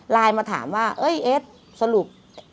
ไลน์มาถามว่าเอ๊ะเอ๊ดสรุป